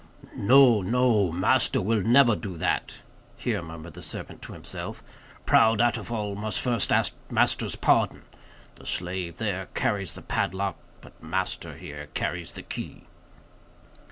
"No, no, master never will do that," here murmured the servant to himself, "proud Atufal must first ask master's pardon. The slave there carries the padlock, but master here carries the key."